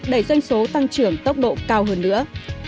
đẩy doanh số tăng trưởng tốc độ cao hơn nữa